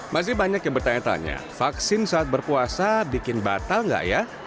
masih banyak yang bertanya tanya vaksin saat berpuasa bikin batal nggak ya